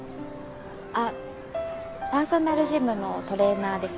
あっパーソナルジムのトレーナーです。